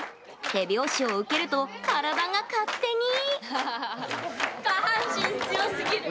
手拍子を受けると体が勝手に。